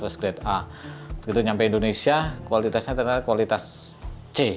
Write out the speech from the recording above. begitu nyampe indonesia kualitasnya ternyata kualitas c